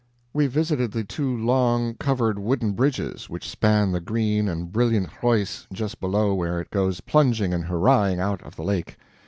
We visited the two long, covered wooden bridges which span the green and brilliant Reuss just below where it goes plunging and hurrahing out of the lake.